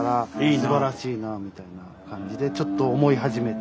すばらしいなみたいな感じでちょっと思い始めた。